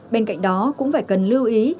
bên cạnh đó cũng phải cần lưu ý